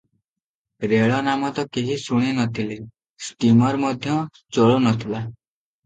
ରେଳ ନାମ ତ କେହି ଶୁଣି ନ ଥିଲେ, ଷ୍ଟୀମର ମଧ୍ୟ ଚଳୁନଥିଲା ।